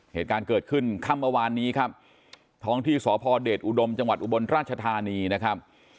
เหตุการณ์เกิดขึ้นค่ำเมื่อวานนี้ครับท้องที่สพเดชอุดมจังหวัดอุบลราชธานีนะครับ